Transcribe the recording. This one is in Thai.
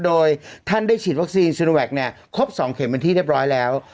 โดยท่านได้ฉีดวัคซีนซีโนแวคเนี่ยครบ๒เข็มเป็นที่เรียบร้อยแล้ว